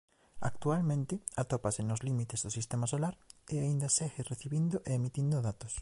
Actualmente atópase nos límites do Sistema Solar e aínda segue recibindo e emitindo datos.